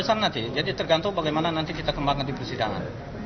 kesan nanti jadi tergantung bagaimana nanti kita kembangkan di persidangan